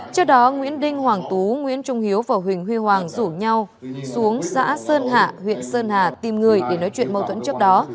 trước đó nguyễn đinh hoàng tú nguyễn trung hiếu và huỳnh huy hoàng rủ nhau xuống xã sơn hạ huyện sơn hà tìm người để nói chuyện mâu thuẫn trước đó